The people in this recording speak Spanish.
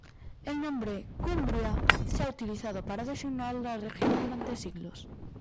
El nombre "Cumbria" se ha utilizado para designar la región durante siglos.